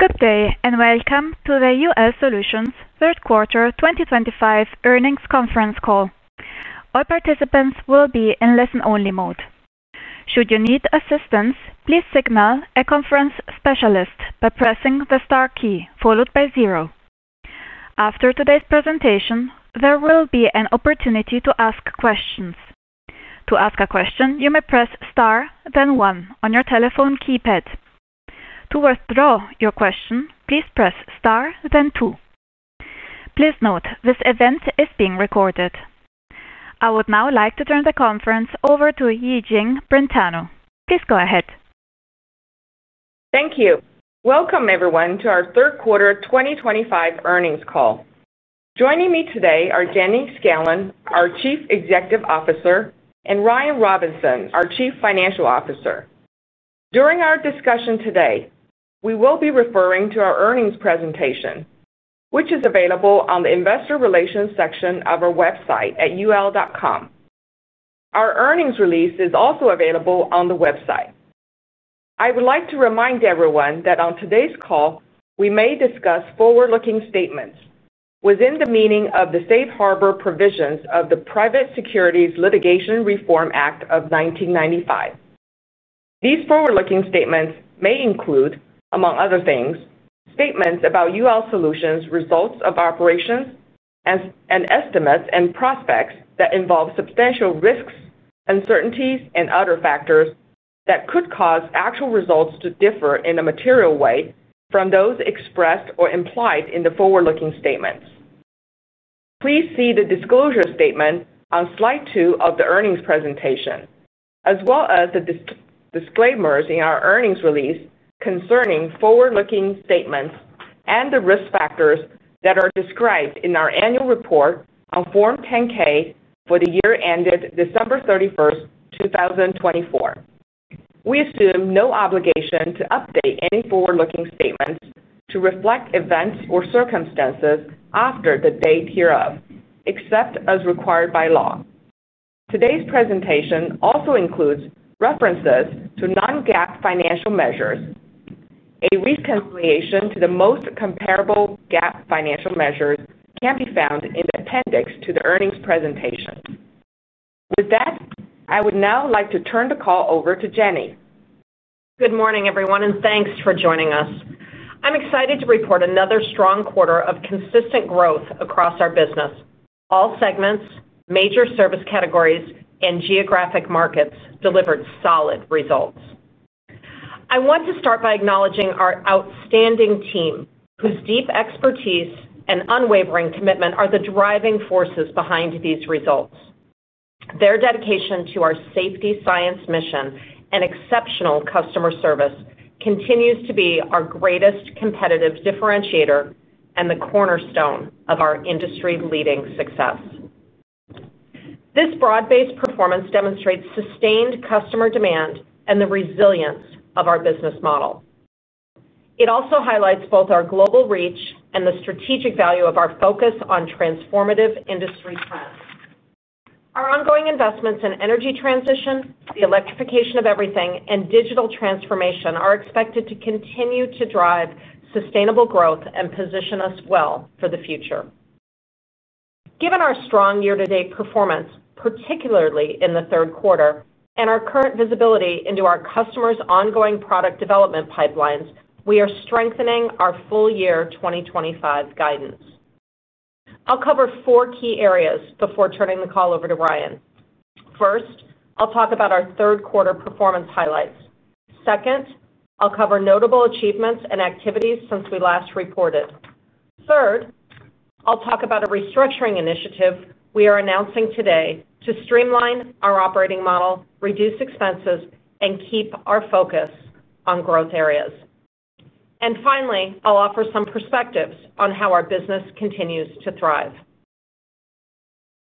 Good day and welcome to the UL Solutions Q3 2025 earnings conference call. All participants will be in listen-only mode. Should you need assistance, please signal a conference specialist by pressing the star key followed by zero. After today's presentation, there will be an opportunity to ask questions. To ask a question, you may press star, then one on your telephone keypad. To withdraw your question, please press star, then two. Please note this event is being recorded. I would now like to turn the conference over to Yijing Brentano. Please go ahead. Thank you. Welcome, everyone, to our Q3 2025 earnings call. Joining me today are Jennifer Scanlon, our Chief Executive Officer, and Ryan Robinson, our Chief Financial Officer. During our discussion today, we will be referring to our earnings presentation, which is available on the Investor Relations section of our website at ul.com. Our earnings release is also available on the website. I would like to remind everyone that on today's call, we may discuss forward-looking statements within the meaning of the safe harbor provisions of the Private Securities Litigation Reform Act of 1995. These forward-looking statements may include, among other things, statements about UL Solutions' results of operations and estimates and prospects that involve substantial risks, uncertainties, and other factors that could cause actual results to differ in a material way from those expressed or implied in the forward-looking statements. Please see the disclosure statement on slide two of the earnings presentation, as well as the disclaimers in our earnings release concerning forward-looking statements and the risk factors that are described in our annual report on Form 10-K for the year ended December 31, 2024. We assume no obligation to update any forward-looking statements to reflect events or circumstances after the date hereof, except as required by law. Today's presentation also includes references to Non-GAAP financial measures. A reconciliation to the most comparable GAAP financial measures can be found in the appendix to the earnings presentation. With that, I would now like to turn the call over to Jennifer. Good morning, everyone, and thanks for joining us. I'm excited to report another strong quarter of consistent growth across our business. All segments, major service categories, and geographic markets delivered solid results. I want to start by acknowledging our outstanding team, whose deep expertise and unwavering commitment are the driving forces behind these results. Their dedication to our safety science mission and exceptional customer service continues to be our greatest competitive differentiator and the cornerstone of our industry-leading success. This broad-based performance demonstrates sustained customer demand and the resilience of our business model. It also highlights both our global reach and the strategic value of our focus on transformative industry trends. Our ongoing investments in energy transition, the electrification of everything, and digital transformation are expected to continue to drive sustainable growth and position us well for the future. Given our strong year-to-date performance, particularly in the third quarter, and our current visibility into our customers' ongoing product development pipelines, we are strengthening our full-year 2025 guidance. I'll cover four key areas before turning the call over to Ryan. First, I'll talk about our Q3 performance highlights. Second, I'll cover notable achievements and activities since we last reported. Third, I'll talk about a restructuring initiative we are announcing today to streamline our operating model, reduce expenses, and keep our focus on growth areas. And finally, I'll offer some perspectives on how our business continues to thrive.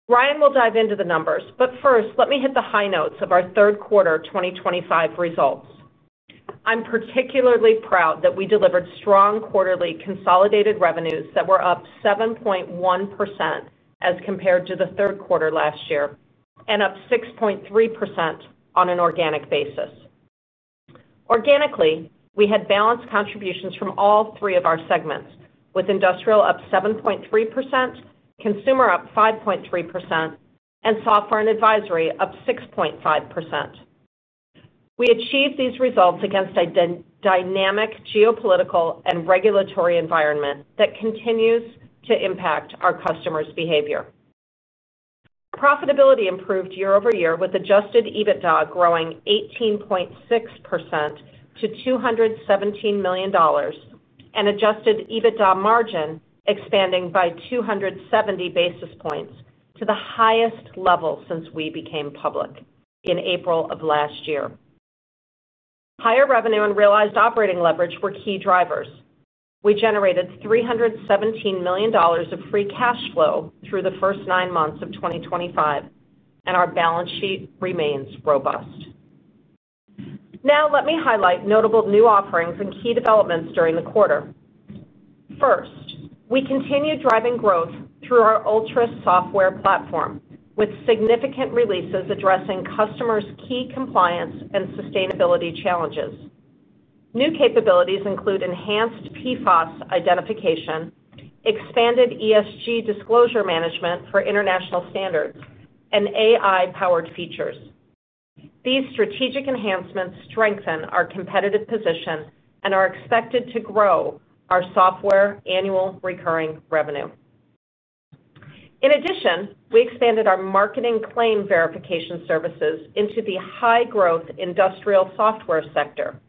Ryan will dive into the numbers, but first, let me hit the high notes of our Q3 2025 results. I'm particularly proud that we delivered strong quarterly consolidated revenues that were up 7.1% as compared to the third quarter last year and up 6.3% on an organic basis. Organically, we had balanced contributions from all three of our segments, with industrial up 7.3%, consumer up 5.3%, and software and advisory up 6.5%. We achieved these results against a dynamic geopolitical and regulatory environment that continues to impact our customers' behavior. Profitability improved year-over-year, with Adjusted EBITDA growing 18.6% to $217 million. And Adjusted EBITDA margin expanding by 270 basis points to the highest level since we became public in April of last year. Higher revenue and realized operating leverage were key drivers. We generated $317 million of free cash flow through the first nine months of 2025, and our balance sheet remains robust. Now, let me highlight notable new offerings and key developments during the quarter. First, we continue driving growth through our ULTRA Software platform, with significant releases addressing customers' key compliance and sustainability challenges. New capabilities include enhanced PFAS identification, expanded ESG disclosure management for international standards, and AI-powered features. These strategic enhancements strengthen our competitive position and are expected to grow our software annual recurring revenue. In addition, we expanded our marketing claim verification services into the high-growth industrial software sector,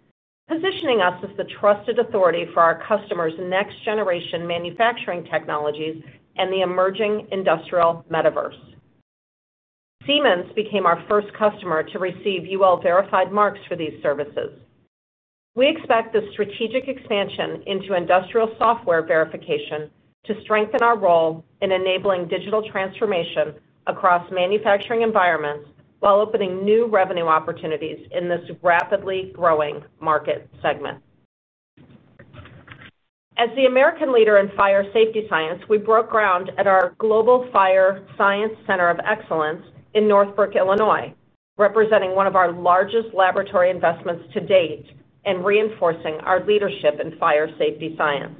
positioning us as the trusted authority for our customers' next-generation manufacturing technologies and the emerging industrial metaverse. Siemens became our first customer to receive UL-verified marks for these services. We expect this strategic expansion into industrial software verification to strengthen our role in enabling digital transformation across manufacturing environments while opening new revenue opportunities in this rapidly growing market segment. As the American leader in fire safety science, we broke ground at our Global Fire Science Center of Excellence in Northbrook, Illinois, representing one of our largest laboratory investments to date and reinforcing our leadership in fire safety science.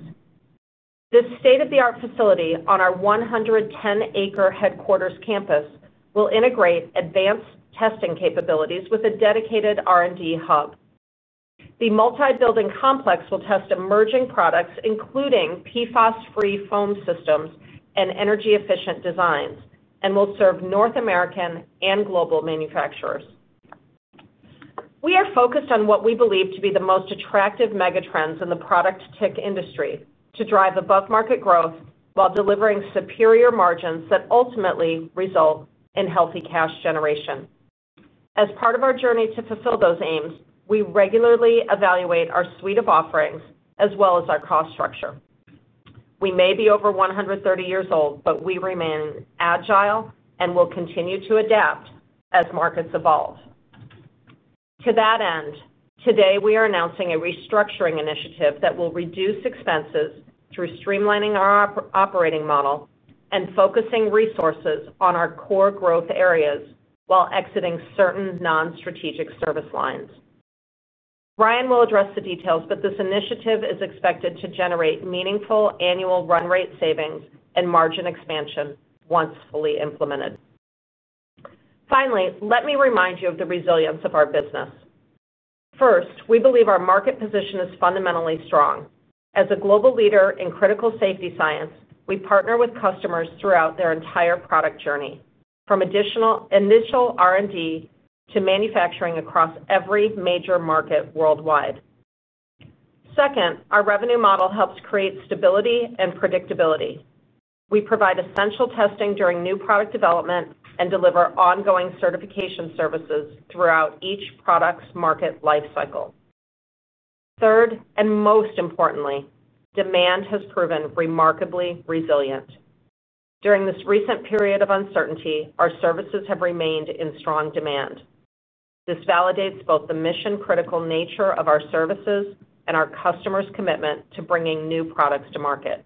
This state-of-the-art facility on our 110-acre headquarters campus will integrate advanced testing capabilities with a dedicated R&D hub. The multi-building complex will test emerging products, including PFAS-free foam systems and energy-efficient designs, and will serve North American and global manufacturers. We are focused on what we believe to be the most attractive megatrends in the product tech industry to drive above-market growth while delivering superior margins that ultimately result in healthy cash generation. As part of our journey to fulfill those aims, we regularly evaluate our suite of offerings as well as our cost structure. We may be over 130 years old, but we remain agile and will continue to adapt as markets evolve. To that end, today we are announcing a restructuring initiative that will reduce expenses through streamlining our operating model and focusing resources on our core growth areas while exiting certain non-strategic service lines. Ryan will address the details, but this initiative is expected to generate meaningful annual run-rate savings and margin expansion once fully implemented. Finally, let me remind you of the resilience of our business. First, we believe our market position is fundamentally strong. As a global leader in critical safety science, we partner with customers throughout their entire product journey, from initial R&D to manufacturing across every major market worldwide. Second, our revenue model helps create stability and predictability. We provide essential testing during new product development and deliver ongoing certification services throughout each product's market lifecycle. Third, and most importantly, demand has proven remarkably resilient. During this recent period of uncertainty, our services have remained in strong demand. This validates both the mission-critical nature of our services and our customers' commitment to bringing new products to market.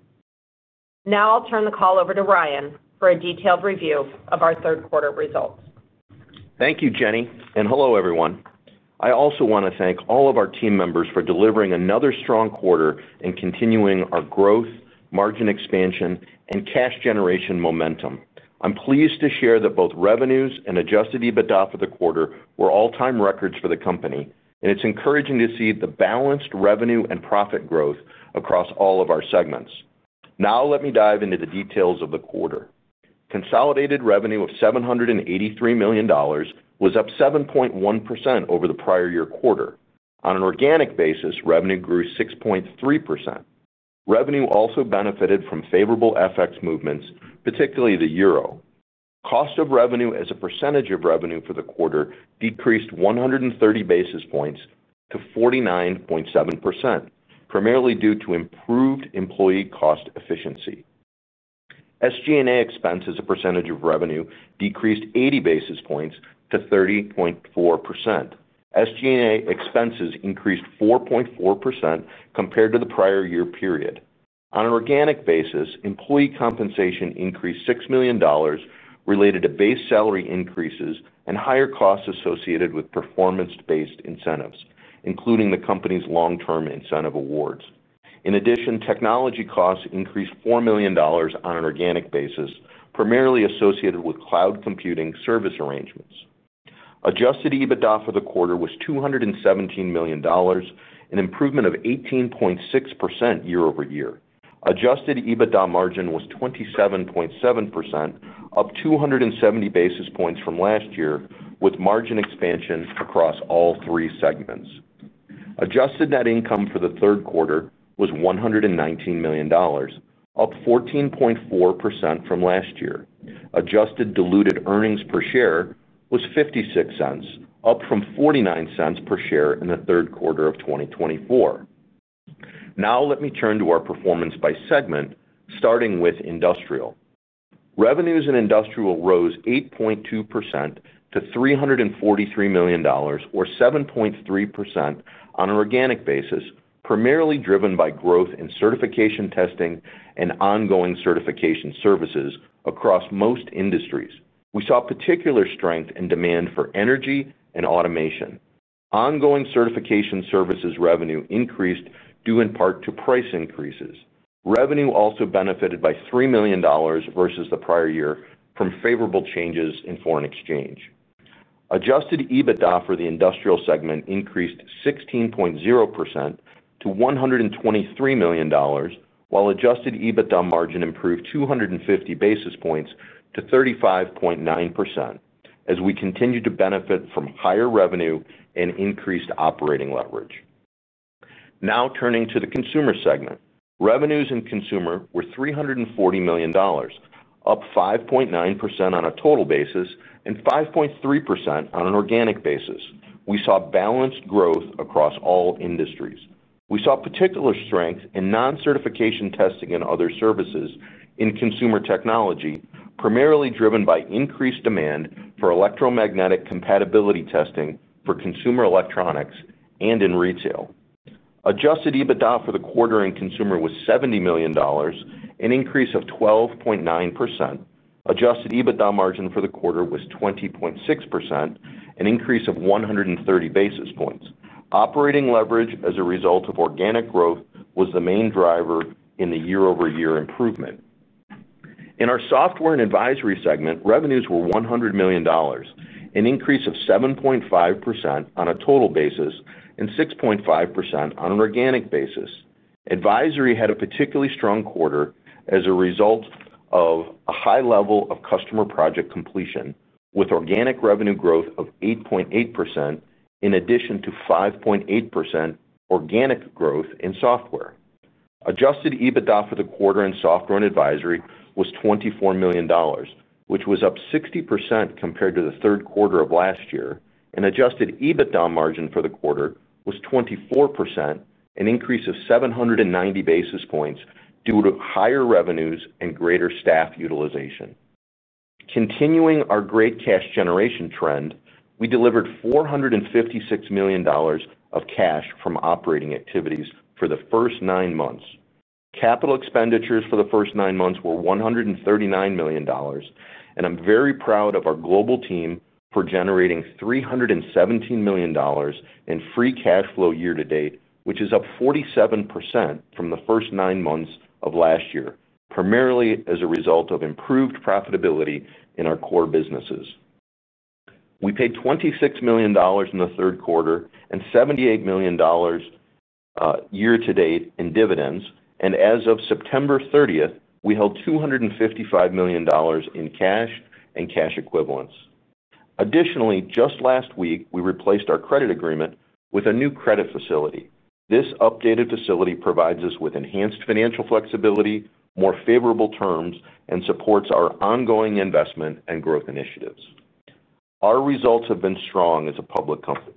Now I'll turn the call over to Ryan for a detailed review of our Q3 results. Thank you, Jenny. And hello, everyone. I also want to thank all of our team members for delivering another strong quarter and continuing our growth, margin expansion, and cash generation momentum. I'm pleased to share that both revenues and Adjusted EBITDA for the quarter were all-time records for the company, and it's encouraging to see the balanced revenue and profit growth across all of our segments. Now let me dive into the details of the quarter. Consolidated revenue of $783 million was up 7.1% over the prior year quarter. On an organic basis, revenue grew 6.3%. Revenue also benefited from favorable FX movements, particularly the euro. Cost of revenue as a percentage of revenue for the quarter decreased 130 basis points to 49.7%, primarily due to improved employee cost efficiency. SG&A expenses as a percentage of revenue decreased 80 basis points to 30.4%. SG&A expenses increased 4.4% compared to the prior year period. On an organic basis, employee compensation increased $6 million related to base salary increases and higher costs associated with performance-based incentives, including the company's long-term incentive awards. In addition, technology costs increased $4 million on an organic basis, primarily associated with cloud computing service arrangements. Adjusted EBITDA for the quarter was $217 million, an improvement of 18.6% year-over-year. Adjusted EBITDA margin was 27.7%, up 270 basis points from last year with margin expansion across all three segments. Adjusted net income for the Q3 was $119 million, up 14.4% from last year. Adjusted diluted earnings per share was $0.56, up from $0.49 per share in the Q3 of 2024. Now let me turn to our performance by segment, starting with industrial. Revenues in industrial rose 8.2% to $343 million, or 7.3% on an organic basis, primarily driven by growth in certification testing and ongoing certification services across most industries. We saw particular strength in demand for energy and automation. Ongoing certification services revenue increased due in part to price increases. Revenue also benefited by $3 million versus the prior year from favorable changes in foreign exchange. Adjusted EBITDA for the industrial segment increased 16.0% to $123 million, while Adjusted EBITDA margin improved 250 basis points to 35.9% as we continued to benefit from higher revenue and increased operating leverage. Now turning to the consumer segment. Revenues in consumer were $340 million, up 5.9% on a total basis and 5.3% on an organic basis. We saw balanced growth across all industries. We saw particular strength in non-certification testing and other services in consumer technology, primarily driven by increased demand for electromagnetic compatibility testing for consumer electronics and in retail. Adjusted EBITDA for the quarter in consumer was $70 million, an increase of 12.9%. Adjusted EBITDA margin for the quarter was 20.6%, an increase of 130 basis points. Operating leverage as a result of organic growth was the main driver in the year-over-year improvement. In our software and advisory segment, revenues were $100 million, an increase of 7.5% on a total basis and 6.5% on an organic basis. Advisory had a particularly strong quarter as a result of a high level of customer project completion, with organic revenue growth of 8.8% in addition to 5.8% organic growth in software. Adjusted EBITDA for the quarter in software and advisory was $24 million, which was up 60% compared to the Q3 of last year, and Adjusted EBITDA margin for the quarter was 24%, an increase of 790 basis points due to higher revenues and greater staff utilization. Continuing our great cash generation trend, we delivered $456 million of cash from operating activities for the first nine months. Capital expenditures for the first nine months were $139 million, and I'm very proud of our global team for generating $317 million in free cash flow year-to-date, which is up 47% from the first nine months of last year, primarily as a result of improved profitability in our core businesses. We paid $26 million in the Q3 and $78 million year-to-date in dividends, and as of September 30th, we held $255 million in cash and cash equivalents. Additionally, just last week, we replaced our credit agreement with a new credit facility. This updated facility provides us with enhanced financial flexibility, more favorable terms, and supports our ongoing investment and growth initiatives. Our results have been strong as a public company.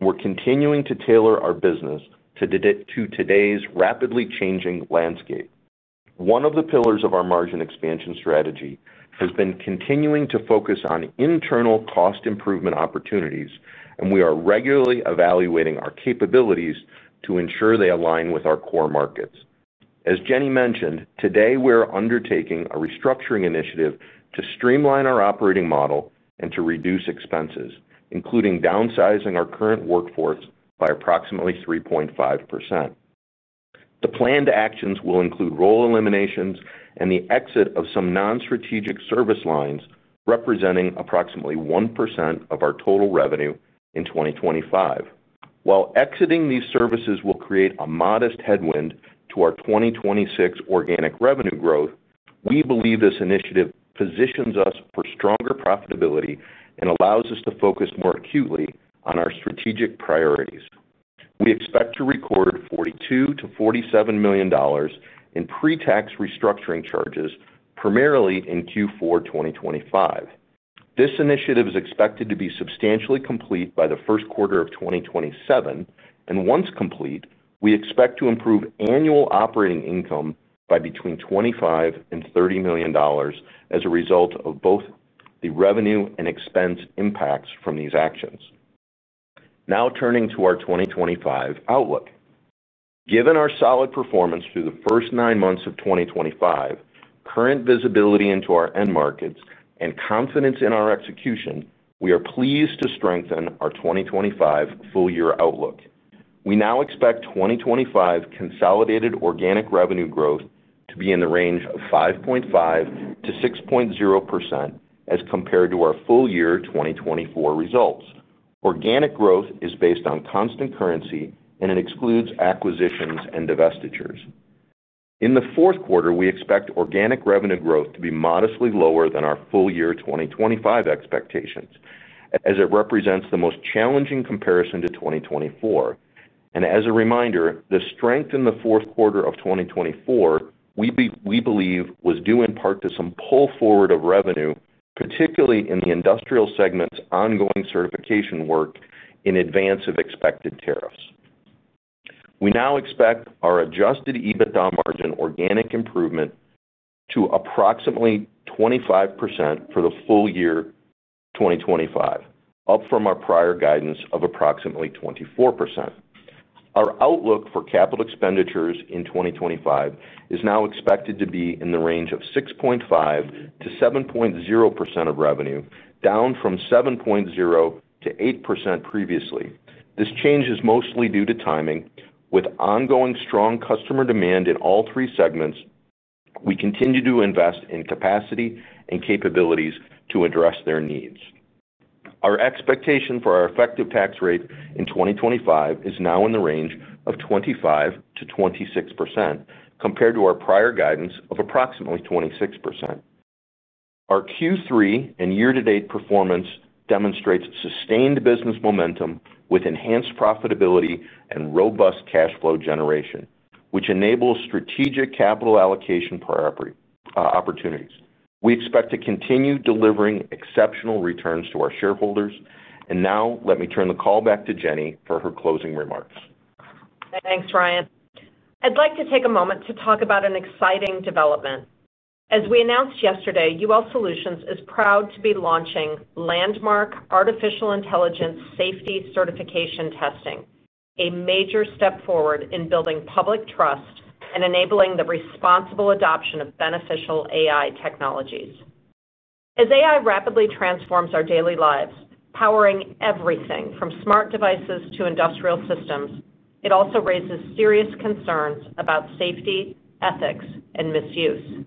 We're continuing to tailor our business to today's rapidly changing landscape. One of the pillars of our margin expansion strategy has been continuing to focus on internal cost improvement opportunities, and we are regularly evaluating our capabilities to ensure they align with our core markets. As Jenny mentioned, today we're undertaking a restructuring initiative to streamline our operating model and to reduce expenses, including downsizing our current workforce by approximately 3.5%. The planned actions will include role eliminations and the exit of some non-strategic service lines representing approximately 1% of our total revenue in 2025. While exiting these services will create a modest headwind to our 2026 organic revenue growth, we believe this initiative positions us for stronger profitability and allows us to focus more acutely on our strategic priorities. We expect to record $42 million-$47 million in pre-tax restructuring charges, primarily in Q4 2025. This initiative is expected to be substantially complete by the Q1 of 2027, and once complete, we expect to improve annual operating income by between $25 million and $30 million as a result of both the revenue and expense impacts from these actions. Now turning to our 2025 outlook. Given our solid performance through the first nine months of 2025, current visibility into our end markets, and confidence in our execution, we are pleased to strengthen our 2025 full-year outlook. We now expect 2025 consolidated organic revenue growth to be in the range of 5.5%-6.0% as compared to our full-year 2024 results. Organic growth is based on constant currency, and it excludes acquisitions and divestitures. In the Q4, we expect organic revenue growth to be modestly lower than our full-year 2025 expectations, as it represents the most challenging comparison to 2024. And as a reminder, the strength in the Q4 of 2024, we believe, was due in part to some pull forward of revenue, particularly in the industrial segment's ongoing certification work in advance of expected tariffs. We now expect our Adjusted EBITDA margin organic improvement to approximately 25% for the full year of 2025, up from our prior guidance of approximately 24%. Our outlook for capital expenditures in 2025 is now expected to be in the range of 6.5%-7.0% of revenue, down from 7.0%-8% previously. This change is mostly due to timing. With ongoing strong customer demand in all three segments, we continue to invest in capacity and capabilities to address their needs. Our expectation for our effective tax rate in 2025 is now in the range of 25%-26%, compared to our prior guidance of approximately 26%. Our Q3 and year-to-date performance demonstrates sustained business momentum with enhanced profitability and robust cash flow generation, which enables strategic capital allocation opportunities. We expect to continue delivering exceptional returns to our shareholders. And now let me turn the call back to Jenny for her closing remarks. Thanks, Ryan. I'd like to take a moment to talk about an exciting development. As we announced yesterday, UL Solutions is proud to be launching Landmark Artificial Intelligence Safety Certification Testing, a major step forward in building public trust and enabling the responsible adoption of beneficial AI technologies. As AI rapidly transforms our daily lives, powering everything from smart devices to industrial systems, it also raises serious concerns about safety, ethics, and misuse.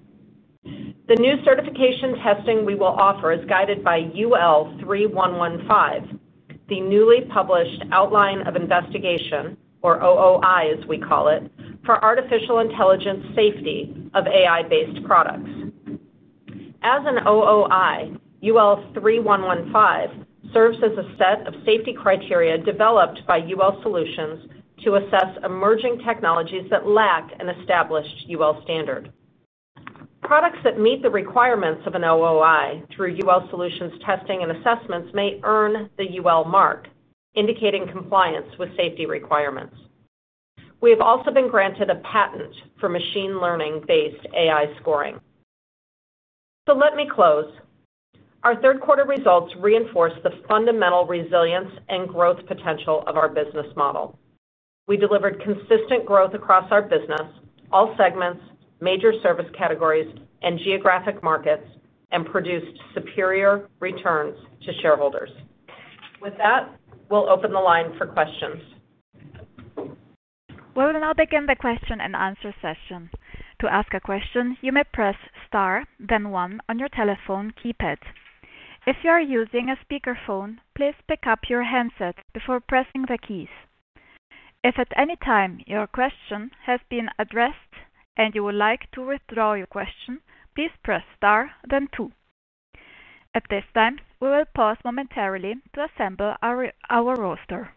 The new certification testing we will offer is guided by UL 3115, the newly published outline of investigation, or OOI as we call it, for artificial intelligence safety of AI-based products. As an OOI, UL 3115 serves as a set of safety criteria developed by UL Solutions to assess emerging technologies that lack an established UL standard. Products that meet the requirements of an OOI through UL Solutions testing and assessments may earn the UL mark, indicating compliance with safety requirements. We have also been granted a patent for machine learning-based AI scoring. So let me close. Our Q3 results reinforce the fundamental resilience and growth potential of our business model. We delivered consistent growth across our business, all segments, major service categories, and geographic markets, and produced superior returns to shareholders. With that, we'll open the line for questions. We will now begin the question-and-answer session. To ask a question, you may press star, then one on your telephone keypad. If you are using a speakerphone, please pick up your handset before pressing the keys. If at any time your question has been addressed and you would like to withdraw your question, please press star, then two. At this time, we will pause momentarily to assemble our roster.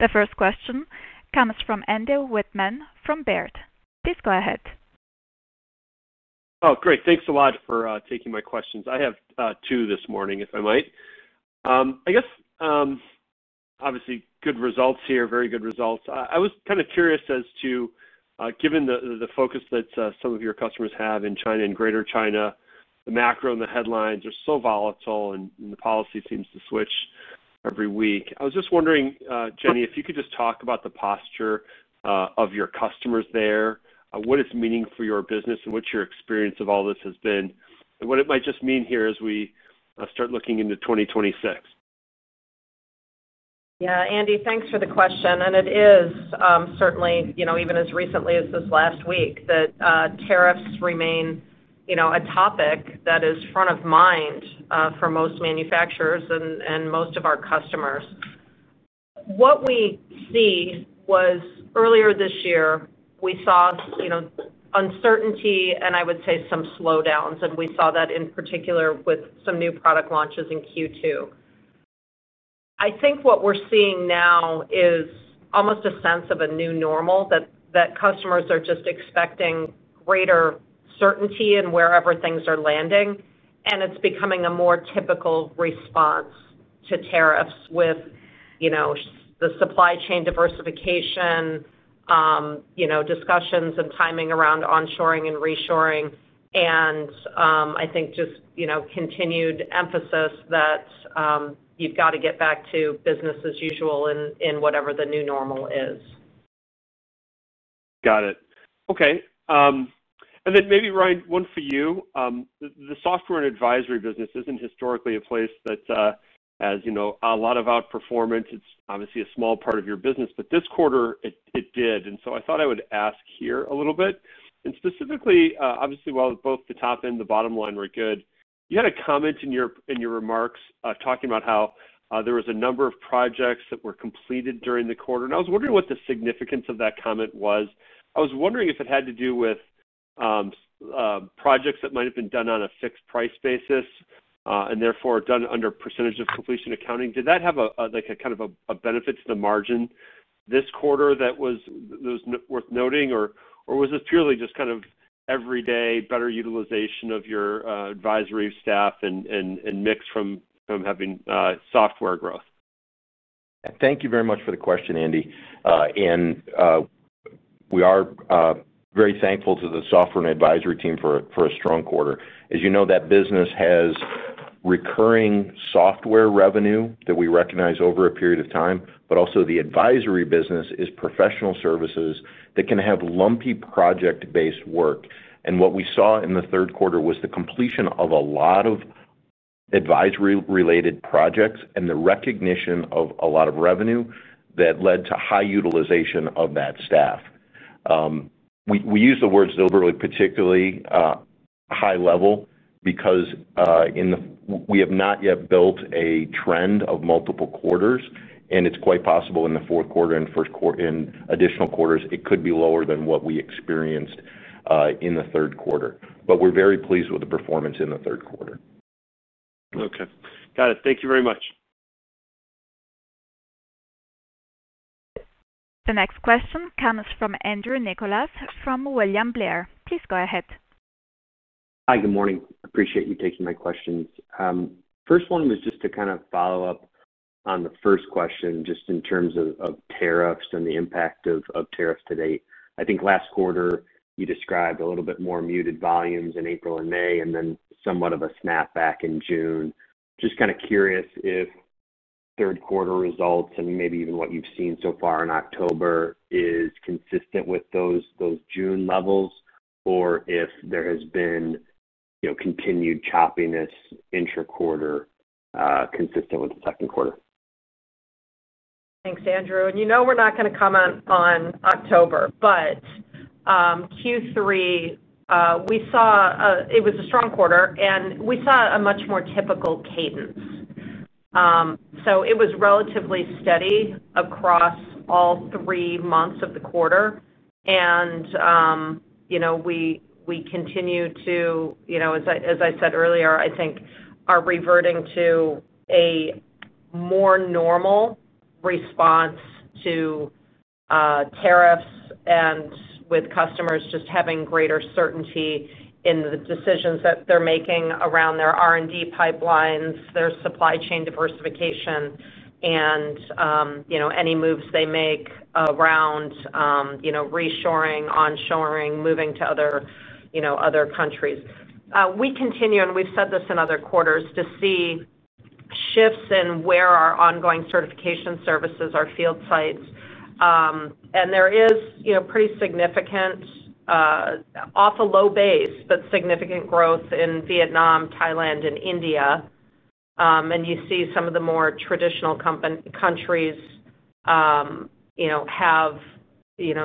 The first question comes from Andy Whitman from Baird. Please go ahead. Oh, great. Thanks a lot for taking my questions. I have two this morning, if I might. I guess. Obviously, good results here, very good results. I was kind of curious as to, given the focus that some of your customers have in China and Greater China, the macro and the headlines are so volatile, and the policy seems to switch every week. I was just wondering, Jenny, if you could just talk about the posture of your customers there, what it means for your business, and what your experience of all this has been, and what it might just mean here as we start looking into 2026. Yeah, Andy, thanks for the question. And it is certainly, even as recently as this last week, that tariffs remain a topic that is front of mind for most manufacturers and most of our customers. What we saw earlier this year was uncertainty and I would say some slowdowns, and we saw that in particular with some new product launches in Q2. I think what we're seeing now is almost a sense of a new normal that customers are just expecting greater certainty in wherever things are landing, and it's becoming a more typical response to tariffs with the supply chain diversification. Discussions and timing around onshoring and reshoring, and I think just continued emphasis that you've got to get back to business as usual in whatever the new normal is. Got it. Okay. And then maybe, Ryan, one for you. The software and advisory business isn't historically a place that, as you know, a lot of outperformance, it's obviously a small part of your business, but this quarter it did. And so I thought I would ask here a little bit. And specifically, obviously, while both the top and the bottom line were good, you had a comment in your remarks talking about how there was a number of projects that were completed during the quarter. And I was wondering what the significance of that comment was. I was wondering if it had to do with projects that might have been done on a fixed price basis and therefore done under percentage of completion accounting. Did that have kind of a benefit to the margin this quarter that was worth noting, or was this purely just kind of everyday better utilization of your advisory staff and mix from having software growth? Thank you very much for the question, Andy. We are very thankful to the software and advisory team for a strong quarter. As you know, that business has recurring software revenue that we recognize over a period of time, but also the advisory business is professional services that can have lumpy project-based work, and what we saw in the Q3 was the completion of a lot of advisory-related projects and the recognition of a lot of revenue that led to high utilization of that staff. We use the words deliberately, "particularly high level," because we have not yet built a trend of multiple quarters, and it's quite possible in the Q4 and additional quarters it could be lower than what we experienced in the Q3, but we're very pleased with the performance in the Q3. Okay. Got it. Thank you very much. The next question comes from Andrew Nicholas from William Blair. Please go ahead. Hi, good morning. Appreciate you taking my questions. First one was just to kind of follow up on the first question just in terms of tariffs and the impact of tariffs to date. I think last quarter you described a little bit more muted volumes in April and May and then somewhat of a snap back in June. Just kind of curious if Q3 results and maybe even what you've seen so far in October is consistent with those June levels or if there has been continued choppiness intra-quarter, consistent with the Q2. Thanks, Andrew. And you know we're not going to comment on October, but Q3. It was a strong quarter, and we saw a much more typical cadence. So it was relatively steady across all three months of the quarter. And we continue to, as I said earlier, I think, revert to a more normal response to tariffs and with customers just having greater certainty in the decisions that they're making around their R&D pipelines, their supply chain diversification, and any moves they make around reshoring, onshoring, moving to other countries. We continue, and we've said this in other quarters, to see shifts in where our ongoing certification services are field sites. And there is pretty significant, off a low base, but significant growth in Vietnam, Thailand, and India. And you see some of the more traditional countries have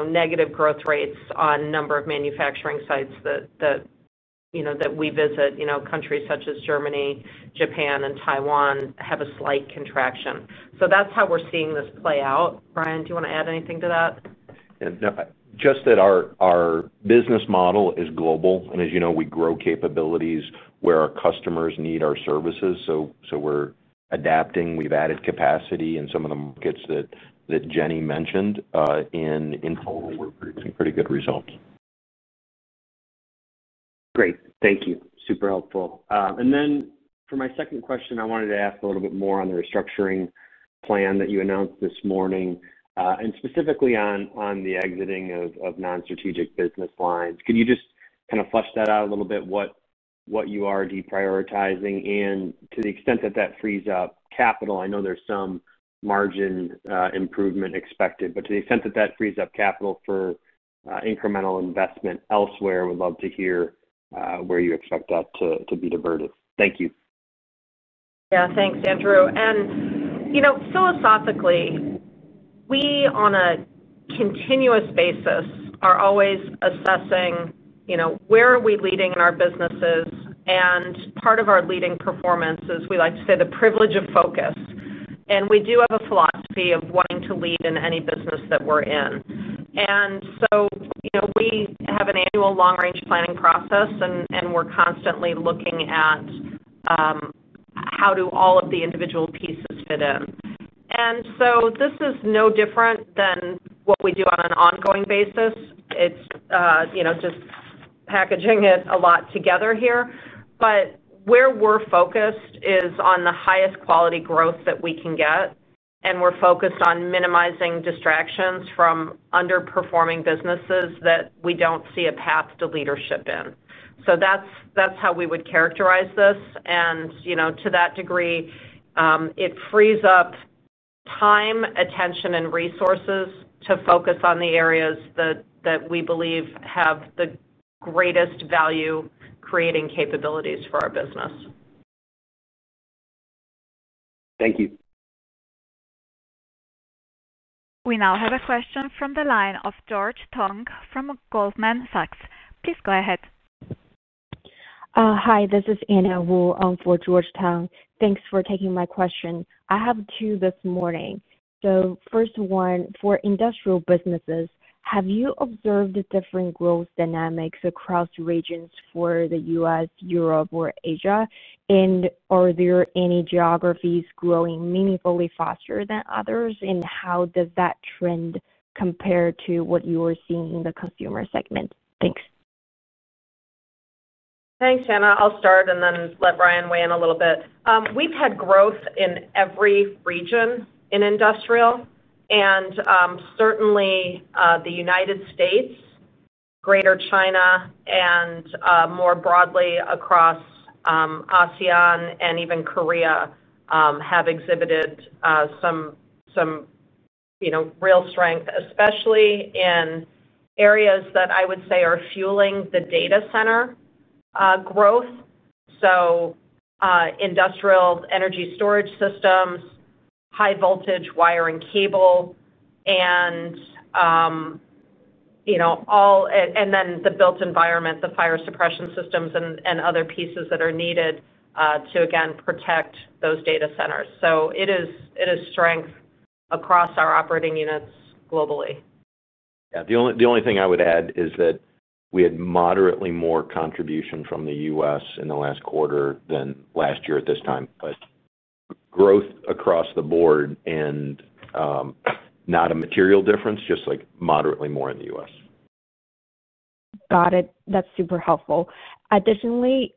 negative growth rates on a number of manufacturing sites that we visit. Countries such as Germany, Japan, and Taiwan have a slight contraction. So that's how we're seeing this play out. Ryan, do you want to add anything to that? Just that our business model is global. And as you know, we grow capabilities where our customers need our services. So we're adapting. We've added capacity in some of the markets that Jenny mentioned. In total, we're producing pretty good results. Great. Thank you. Super helpful, and then for my second question, I wanted to ask a little bit more on the restructuring plan that you announced this morning, and specifically on the exiting of non-strategic business lines. Can you just kind of flesh that out a little bit, what you are deprioritizing, and to the extent that that frees up capital, I know there's some margin improvement expected, but to the extent that that frees up capital for incremental investment elsewhere, I would love to hear where you expect that to be diverted. Thank you. Yeah, thanks, Andrew. And philosophically, we on a continuous basis are always assessing where are we leading in our businesses? And part of our leading performance is, we like to say, the privilege of focus. And we do have a philosophy of wanting to lead in any business that we're in. And so we have an annual long-range planning process, and we're constantly looking at how do all of the individual pieces fit in. And so this is no different than what we do on an ongoing basis. It's just packaging it a lot together here. But where we're focused is on the highest quality growth that we can get, and we're focused on minimizing distractions from underperforming businesses that we don't see a path to leadership in. So that's how we would characterize this. And to that degree it frees up time, attention, and resources to focus on the areas that we believe have the greatest value-creating capabilities for our business. Thank you. We now have a question from the line of George Tong from Goldman Sachs. Please go ahead. Hi, this is Anna Wu for Goldman Sachs. Thanks for taking my question. I have two this morning. So first one, for industrial businesses, have you observed different growth dynamics across regions for the US, Europe, or Asia? And are there any geographies growing meaningfully faster than others? And how does that trend compare to what you are seeing in the consumer segment? Thanks. Thanks, Anna. I'll start and then let Ryan weigh in a little bit. We've had growth in every region in industrial. And certainly, the United States, Greater China, and more broadly across ASEAN and even Korea have exhibited some real strength, especially in areas that I would say are fueling the data center growth. So industrial energy storage systems, high-voltage wire and cable, and all, and then the built environment, the fire suppression systems, and other pieces that are needed to, again, protect those data centers. So it is strength across our operating units globally. Yeah. The only thing I would add is that we had moderately more contribution from the U.S. in the last quarter than last year at this time. But growth across the board, and not a material difference, just moderately more in the U.S. Got it. That's super helpful. Additionally,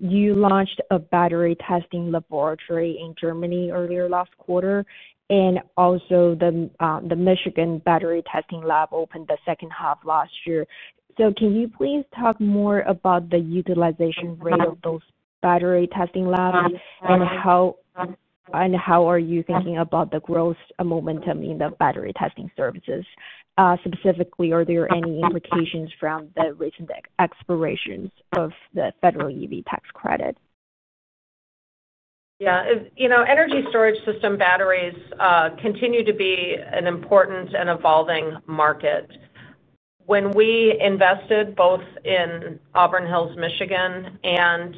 you launched a battery testing laboratory in Germany earlier last quarter, and also the Michigan battery testing lab opened the second half last year. So can you please talk more about the utilization rate of those battery testing labs and how are you thinking about the growth momentum in the battery testing services? Specifically, are there any implications from the recent expirations of the federal EV tax credit? Yeah. Energy storage system batteries continue to be an important and evolving market. When we invested both in Auburn Hills, Michigan, and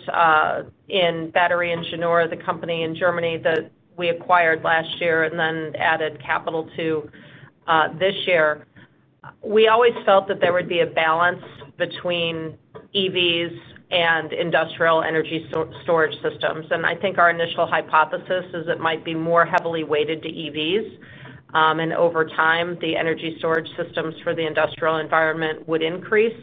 in Battery Ingenieure, the company in Germany that we acquired last year and then added capital to this year, we always felt that there would be a balance between EVs and industrial energy storage systems. Our initial hypothesis is it might be more heavily weighted to EVs. Over time, the energy storage systems for the industrial environment would increase.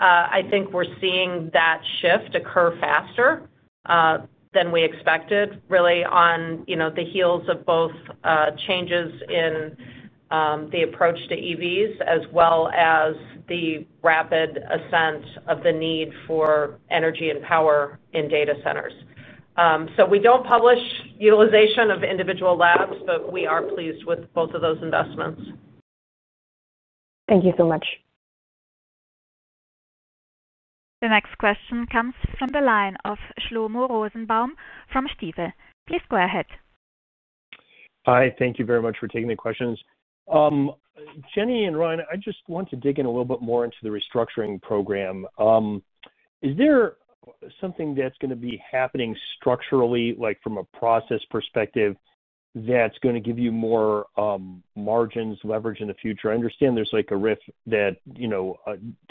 We're seeing that shift occur faster than we expected, really on the heels of both changes in the approach to EVs as well as the rapid ascent of the need for energy and power in data centers. We don't publish utilization of individual labs, but we are pleased with both of those investments. Thank you so much. The next question comes from the line of Shlomo Rosenbaum from Stifel. Please go ahead. Hi. Thank you very much for taking the questions. Jenny and Ryan, I just want to dig in a little bit more into the restructuring program. Is there something that's going to be happening structurally, like from a process perspective, that's going to give you more margins, leverage in the future? I understand there's a lift that's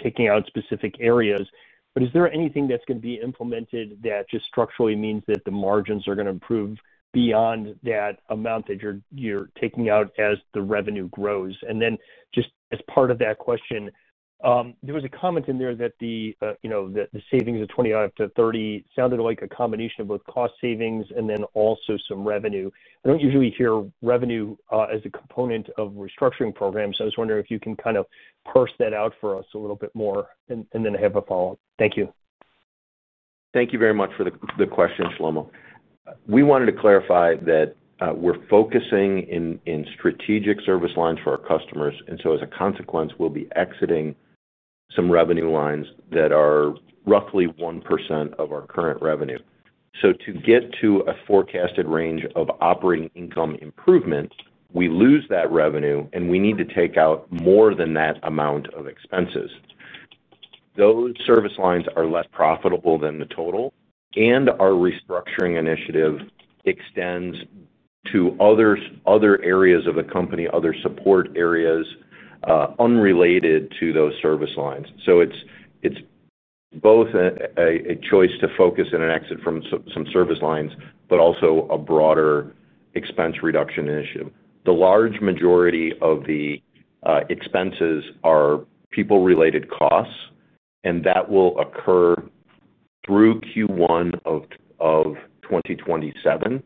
taking out specific areas, but is there anything that's going to be implemented that just structurally means that the margins are going to improve beyond that amount that you're taking out as the revenue grows? And then just as part of that question, there was a comment in there that the savings of 20 out of 30 sounded like a combination of both cost savings and then also some revenue. I don't usually hear revenue as a component of restructuring programs. I was wondering if you can kind of parse that out for us a little bit more, and then I have a follow-up. Thank you. Thank you very much for the question, Shlomo. We wanted to clarify that we're focusing in strategic service lines for our customers. And so as a consequence, we'll be exiting some revenue lines that are roughly 1% of our current revenue. So to get to a forecasted range of operating income improvement, we lose that revenue, and we need to take out more than that amount of expenses. Those service lines are less profitable than the total, and our restructuring initiative extends to other areas of the company, other support areas unrelated to those service lines. So it's both a choice to focus and an exit from some service lines, but also a broader expense reduction initiative. The large majority of the expenses are people-related costs, and that will occur through Q1 of 2027.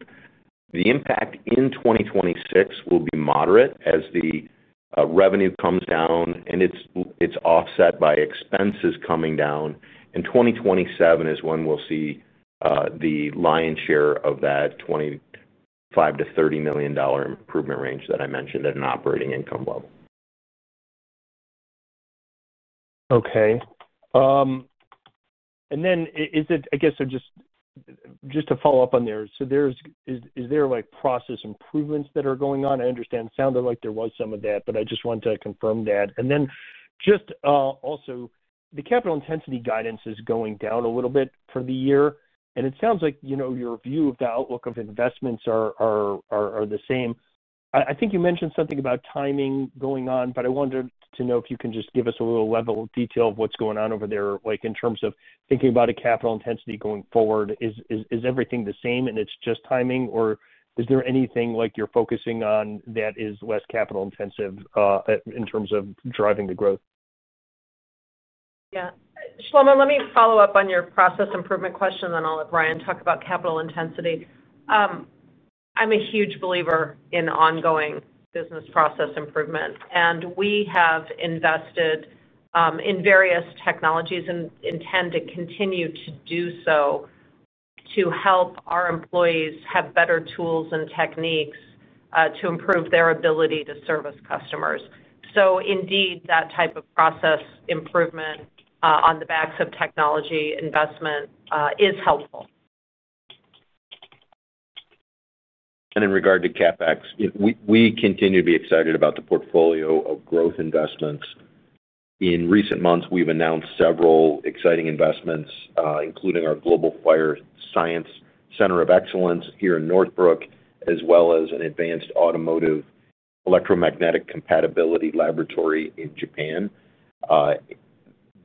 The impact in 2026 will be moderate as the revenue comes down, and it's offset by expenses coming down, and 2027 is when we'll see the lion's share of that $25 million-$30 million improvement range that I mentioned at an operating income level. Okay. And then is it, I guess, just to follow up on there, so is there process improvements that are going on? I understand it sounded like there was some of that, but I just wanted to confirm that. And then just also, the capital intensity guidance is going down a little bit for the year. And it sounds like your view of the outlook of investments are the same. I think you mentioned something about timing going on, but I wanted to know if you can just give us a little level of detail of what's going on over there in terms of thinking about a capital intensity going forward. Is everything the same, and it's just timing, or is there anything you're focusing on that is less capital-intensive in terms of driving the growth? Yeah. Shlomo, let me follow up on your process improvement question, then I'll let Ryan talk about capital intensity. I'm a huge believer in ongoing business process improvement. And we have invested in various technologies and intend to continue to do so. To help our employees have better tools and techniques to improve their ability to service customers. So indeed, that type of process improvement on the backs of technology investment is helpful. In regard to CapEx, we continue to be excited about the portfolio of growth investments. In recent months, we've announced several exciting investments, including our Global Fire Science Center of Excellence here in Northbrook, as well as an advanced automotive electromagnetic compatibility laboratory in Japan.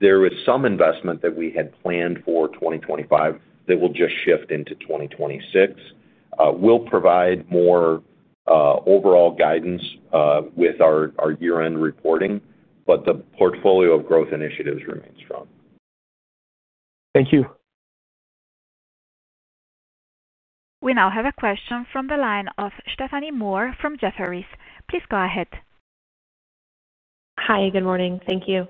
There is some investment that we had planned for 2025 that will just shift into 2026. We'll provide more overall guidance with our year-end reporting, but the portfolio of growth initiatives remains strong. Thank you. We now have a question from the line of Stephanie Moore from Jefferies. Please go ahead. Hi. Good morning. Thank you.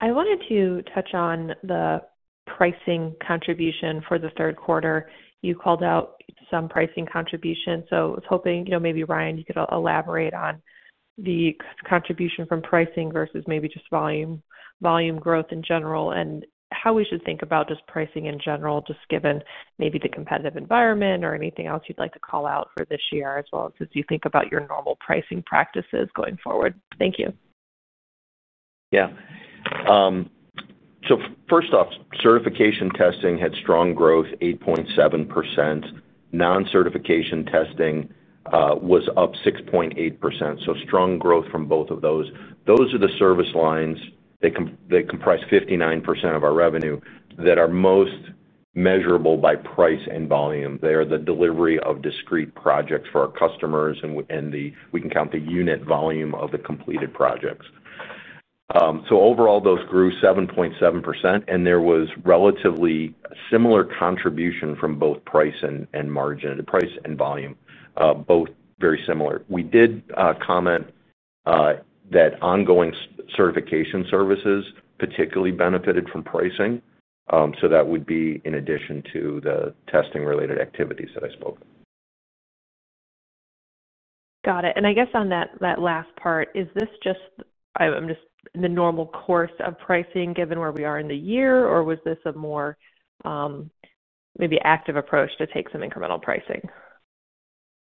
I wanted to touch on the pricing contribution for the third quarter. You called out some pricing contribution. So I was hoping maybe Ryan, you could elaborate on the contribution from pricing versus maybe just volume growth in general and how we should think about just pricing in general, just given maybe the competitive environment or anything else you'd like to call out for this year as well as you think about your normal pricing practices going forward? Thank you. Yeah. So first off, certification testing had strong growth, 8.7%. Non-certification testing was up 6.8%. So strong growth from both of those. Those are the service lines that comprise 59% of our revenue that are most measurable by price and volume. They are the delivery of discrete projects for our customers, and we can count the unit volume of the completed projects. So overall, those grew 7.7%, and there was relatively similar contribution from both price and margin, price and volume, both very similar. We did comment. That ongoing certification services particularly benefited from pricing. So that would be in addition to the testing-related activities that I spoke of. Got it. And I guess on that last part, is this just the normal course of pricing given where we are in the year, or was this a more, maybe, active approach to take some incremental pricing?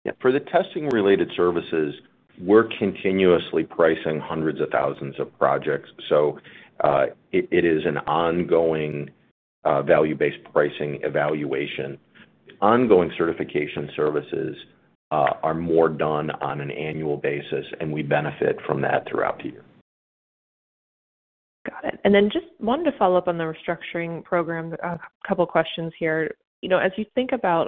Yeah. For the testing-related services, we're continuously pricing hundreds of thousands of projects. So, it is an ongoing value-based pricing evaluation. Ongoing certification services are more done on an annual basis, and we benefit from that throughout the year. Got it. And then just wanted to follow up on the restructuring program, a couple of questions here. As you think about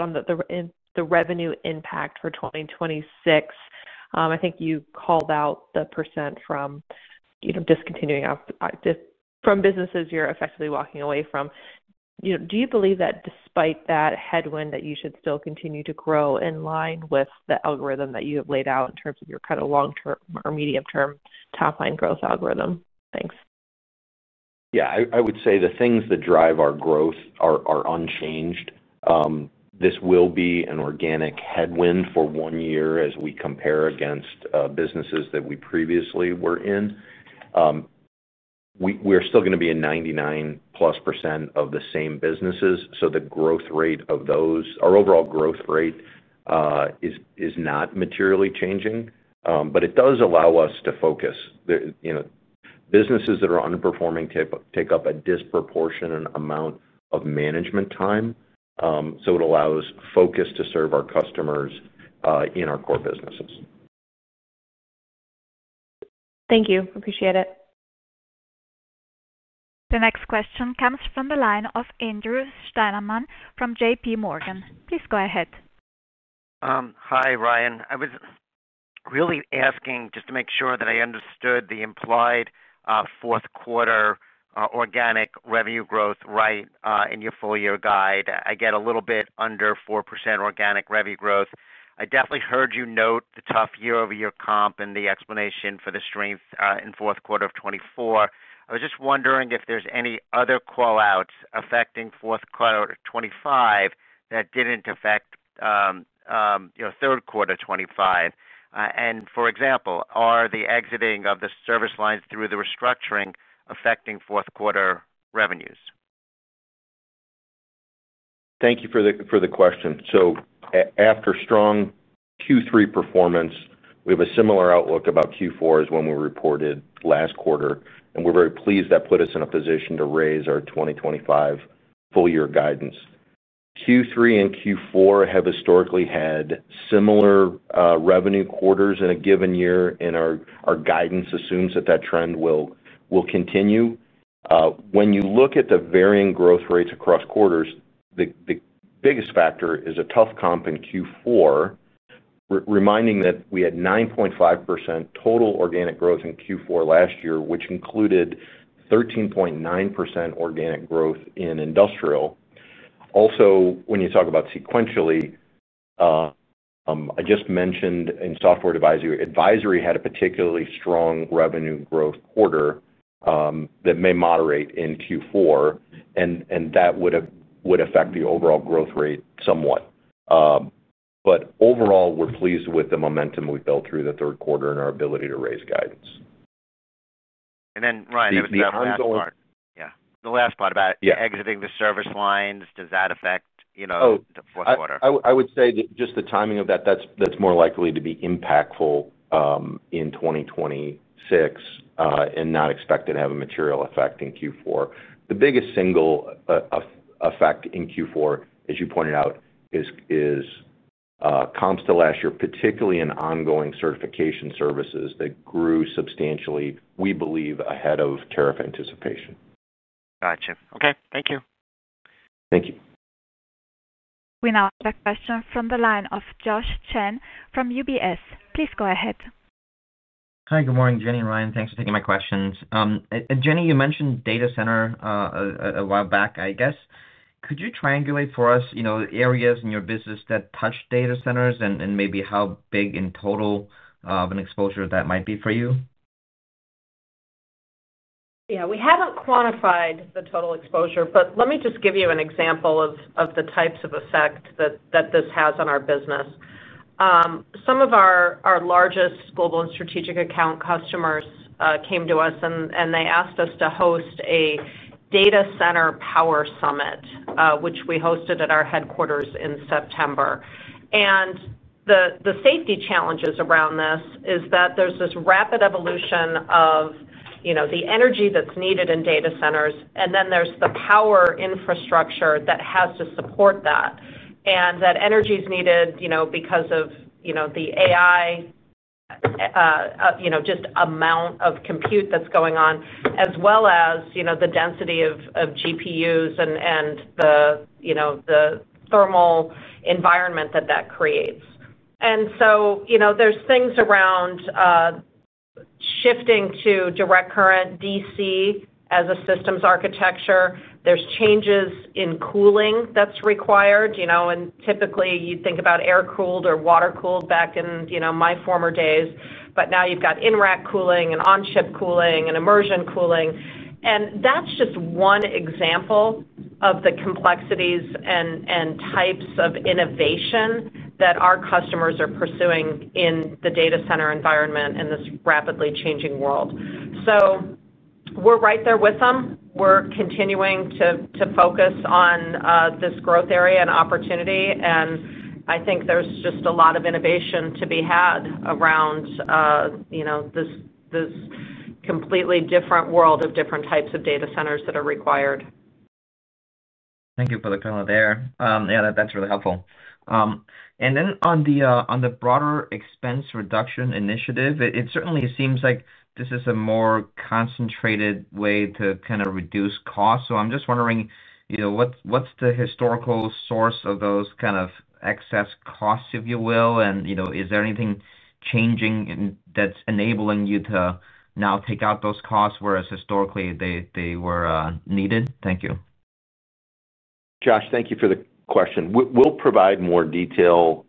the revenue impact for 2026, I think you called out the percent from discontinuing from businesses you're effectively walking away from. Do you believe that despite that headwind, that you should still continue to grow in line with the algorithm that you have laid out in terms of your kind of long-term or medium-term top-line growth algorithm? Thanks. Yeah. I would say the things that drive our growth are unchanged. This will be an organic headwind for one year as we compare against businesses that we previously were in. We're still going to be in 99%+ of the same businesses. So the growth rate of those, our overall growth rate, is not materially changing, but it does allow us to focus. Businesses that are underperforming take up a disproportionate amount of management time. So it allows focus to serve our customers in our core businesses. Thank you. Appreciate it. The next question comes from the line of Andrew Steinerman from J.P. Morgan. Please go ahead. Hi, Ryan. I was really asking just to make sure that I understood the implied fourth quarter organic revenue growth right in your full-year guide. I get a little bit under 4% organic revenue growth. I definitely heard you note the tough year-over-year comp and the explanation for the strength in fourth quarter of 2024. I was just wondering if there's any other callouts affecting fourth quarter of 2025 that didn't affect third quarter of 2025. And for example, are the exiting of the service lines through the restructuring affecting fourth quarter revenues? Thank you for the question. So after strong Q3 performance, we have a similar outlook about Q4 as when we reported last quarter. And we're very pleased that put us in a position to raise our 2025 full-year guidance. Q3 and Q4 have historically had similar revenue quarters in a given year, and our guidance assumes that that trend will continue. When you look at the varying growth rates across quarters, the biggest factor is a tough comp in Q4. Reminding that we had 9.5% total organic growth in Q4 last year, which included 13.9% organic growth in industrial. Also, when you talk about sequentially, I just mentioned in software advisory had a particularly strong revenue growth quarter. That may moderate in Q4, and that would affect the overall growth rate somewhat. But overall, we're pleased with the momentum we built through the third quarter and our ability to raise guidance. Then, Ryan, that was the last part. Yeah. The last part about exiting the service lines, does that affect the fourth quarter? I would say that just the timing of that, that's more likely to be impactful in 2026. And not expected to have a material effect in Q4. The biggest single effect in Q4, as you pointed out, is comps to last year, particularly in ongoing certification services that grew substantially, we believe, ahead of tariff anticipation. Gotcha. Okay. Thank you. Thank you. We now have a question from the line of Josh Chen from UBS. Please go ahead. Hi. Good morning, Jenny and Ryan. Thanks for taking my questions, and Jenny, you mentioned data center a while back, I guess. Could you triangulate for us areas in your business that touch data centers and maybe how big in total of an exposure that might be for you? Yeah. We haven't quantified the total exposure, but let me just give you an example of the types of effect that this has on our business. Some of our largest global and strategic account customers came to us, and they asked us to host a data center power summit, which we hosted at our headquarters in September. The safety challenges around this is that there's this rapid evolution of the energy that's needed in data centers, and then there's the power infrastructure that has to support that. And that energy is needed because of the AI just amount of compute that's going on, as well as the density of GPUs and the thermal environment that that creates. And so there's things around shifting to direct current DC as a systems architecture. There's changes in cooling that's required. And typically, you'd think about air-cooled or water-cooled back in my former days, but now you've got in-rack cooling and on-chip cooling and immersion cooling. And that's just one example of the complexities and types of innovation that our customers are pursuing in the data center environment in this rapidly changing world. We're right there with them. We're continuing to focus on this growth area and opportunity. And I think there's just a lot of innovation to be had around this completely different world of different types of data centers that are required. Thank you for the comment there. Yeah, that's really helpful. And then on the broader expense reduction initiative, it certainly seems like this is a more concentrated way to kind of reduce costs. So I'm just wondering, what's the historical source of those kind of excess costs, if you will? And is there anything changing that's enabling you to now take out those costs whereas historically they were needed? Thank you. Josh, thank you for the question. We'll provide more detail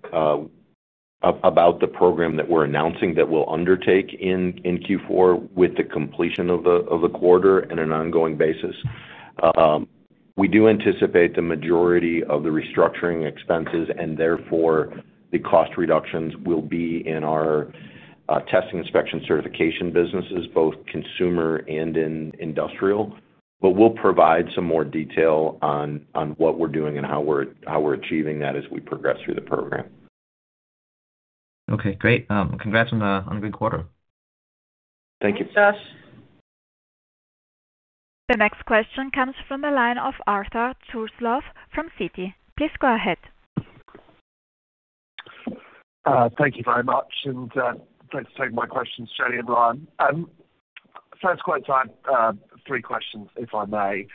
about the program that we're announcing that we'll undertake in Q4 with the completion of the quarter on an ongoing basis. We do anticipate the majority of the restructuring expenses and therefore the cost reductions will be in our testing, inspection, certification businesses, both consumer and industrial, but we'll provide some more detail on what we're doing and how we're achieving that as we progress through the program. Okay. Great. Congrats on a good quarter. Thank you. Thanks, Josh. The next question comes from the line of Arthur Turslove from Citi. Please go ahead. Thank you very much. And thanks for taking my questions, Jenny and Ryan. First question, three questions, if I may.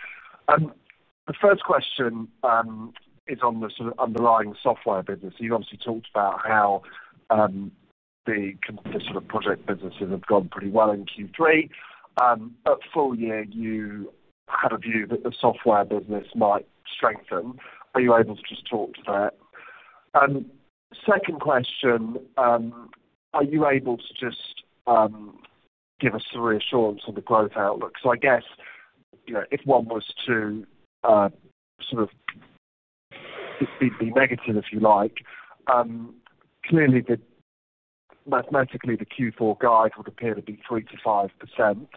The first question is on the sort of underlying software business. You obviously talked about how the sort of project businesses have gone pretty well in Q3. But full-year, you had a view that the software business might strengthen. Are you able to just talk to that? Second question. Are you able to just give us some reassurance on the growth outlook? So I guess if one was to sort of be negative, if you like. Clearly mathematically, the Q4 guide would appear to be 3%-5%.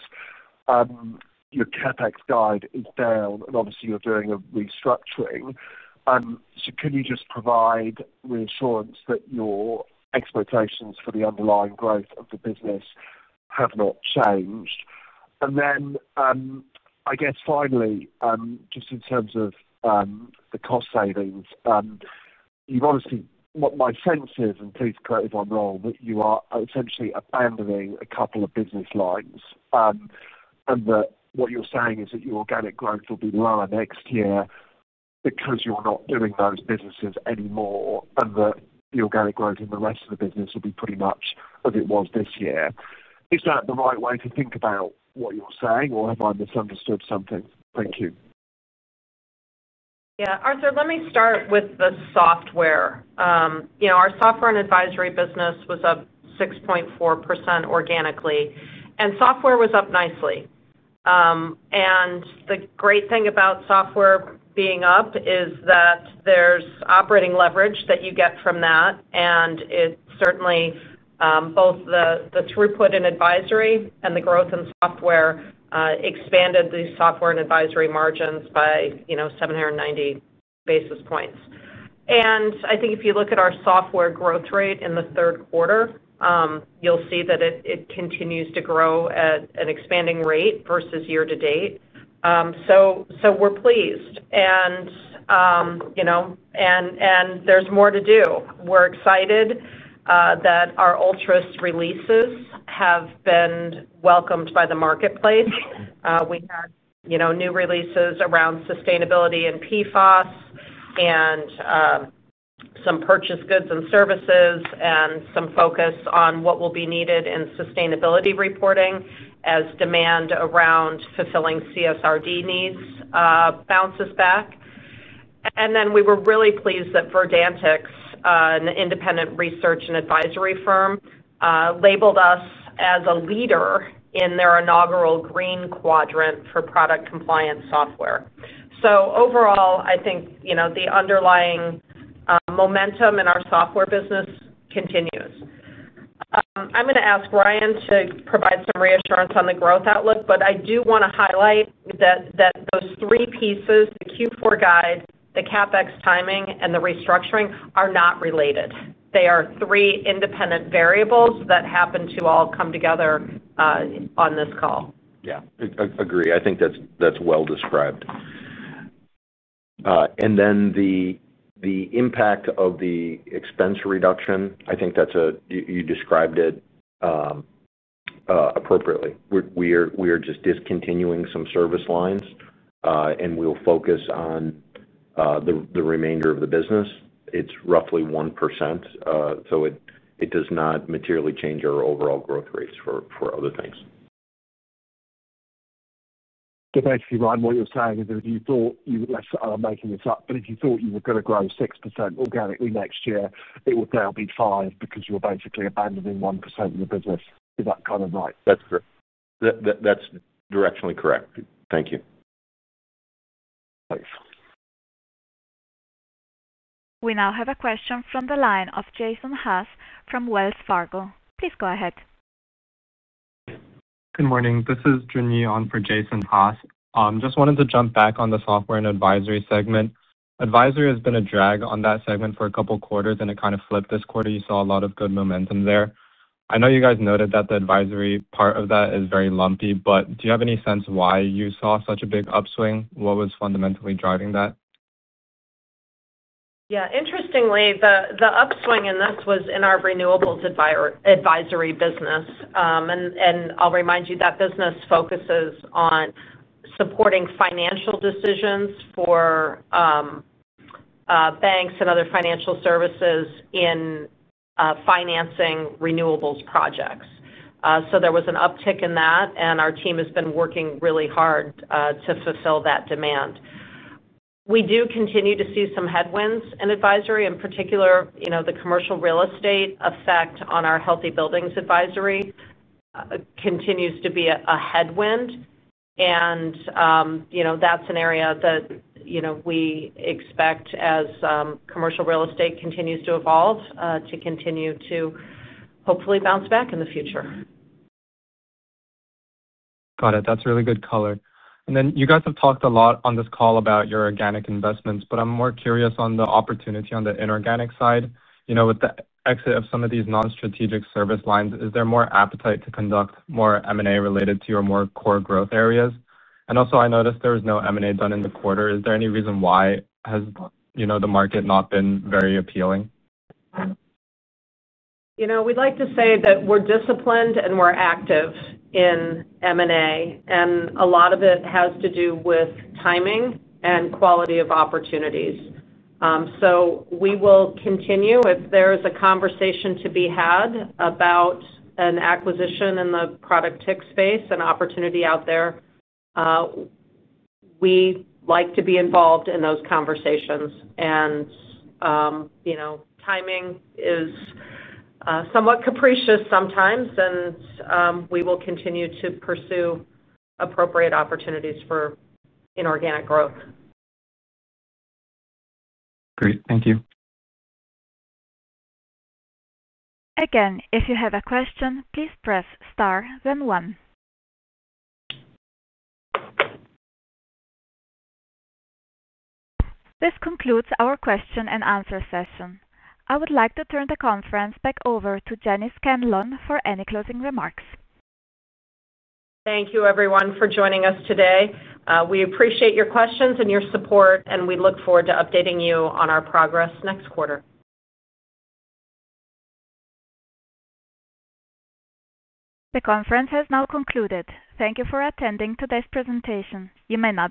Your CapEx guide is down, and obviously, you're doing a restructuring. So can you just provide reassurance that your expectations for the underlying growth of the business have not changed? And then I guess finally, just in terms of the cost savings. What my sense is, and please correct if I'm wrong, that you are essentially abandoning a couple of business lines. And that what you're saying is that your organic growth will be lower next year because you're not doing those businesses anymore, and that the organic growth in the rest of the business will be pretty much as it was this year. Is that the right way to think about what you're saying, or have I misunderstood something? Thank you. Yeah. Arthur, let me start with the software. Our software and advisory business was up 6.4% organically, and software was up nicely. And the great thing about software being up is that there's operating leverage that you get from that, and it certainly both the throughput in advisory and the growth in software expanded the software and advisory margins by 790 basis points, and I think if you look at our software growth rate in the third quarter, you'll see that it continues to grow at an expanding rate versus year to date. So we're pleased, and there's more to do. We're excited that our ULTRA's releases have been welcomed by the marketplace. We had new releases around sustainability and PFAS and some purchased goods and services and some focus on what will be needed in sustainability reporting as demand around fulfilling CSRD needs bounces back. And then we were really pleased that Verdantics, an independent research and advisory firm, labeled us as a leader in their inaugural green quadrant for product compliance software. So overall, I think the underlying momentum in our software business continues. I'm going to ask Ryan to provide some reassurance on the growth outlook, but I do want to highlight that those three pieces, the Q4 guide, the CapEx timing, and the restructuring, are not related. They are three independent variables that happen to all come together on this call. Yeah. Agree. I think that's well described. And then the impact of the expense reduction, I think you described it appropriately. We are just discontinuing some service lines, and we'll focus on the remainder of the business. It's roughly 1%. So it does not materially change our overall growth rates for other things. So basically, Ryan, what you're saying is that if you thought you were going to grow 6% organically next year, it would now be 5% because you're basically abandoning 1% of the business. Is that kind of right? That's correct. That's directionally correct. Thank you. Thanks. We now have a question from the line of Jason Haas from Wells Fargo. Please go ahead. Good morning. This is John Yoo on for Jason Haas. Just wanted to jump back on the software and advisory segment. Advisory has been a drag on that segment for a couple of quarters, and it kind of flipped this quarter. You saw a lot of good momentum there. I know you guys noted that the advisory part of that is very lumpy, but do you have any sense why you saw such a big upswing? What was fundamentally driving that? Yeah. Interestingly, the upswing in this was in our renewables advisory business. And I'll remind you that business focuses on supporting financial decisions for banks and other financial services in financing renewables projects. So there was an uptick in that, and our team has been working really hard to fulfill that demand. We do continue to see some headwinds in advisory. In particular, the commercial real estate effect on our healthy buildings advisory continues to be a headwind. And that's an area that we expect as commercial real estate continues to evolve to continue to hopefully bounce back in the future. Got it. That's really good color. And then you guys have talked a lot on this call about your organic investments, but I'm more curious on the opportunity on the inorganic side. With the exit of some of these non-strategic service lines, is there more appetite to conduct more M&A related to your more core growth areas? And also, I noticed there was no M&A done in the quarter. Is there any reason why? Has the market not been very appealing? We'd like to say that we're disciplined and we're active in M&A, and a lot of it has to do with timing and quality of opportunities. So we will continue. If there is a conversation to be had about an acquisition in the product tech space, an opportunity out there. We like to be involved in those conversations. And timing is somewhat capricious sometimes, and we will continue to pursue appropriate opportunities for inorganic growth. Great. Thank you. Again, if you have a question, please press star, then one. This concludes our question-and-answer session. I would like to turn the conference back over to Jenny Scanlon for any closing remarks. Thank you, everyone, for joining us today. We appreciate your questions and your support, and we look forward to updating you on our progress next quarter. The conference has now concluded. Thank you for attending today's presentation. You may now.